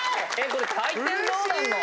これどうなんの？